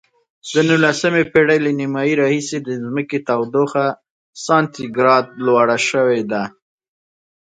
د نولسمې پیړۍ له نیمایي راهیسې د ځمکې تودوخه سانتي ګراد لوړه شوې ده.